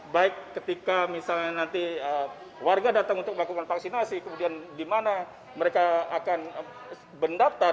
baik ketika misalnya nanti warga datang untuk melakukan vaksinasi kemudian di mana mereka akan mendaftar